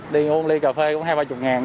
đi uống ly cà phê cũng hai ba mươi ngàn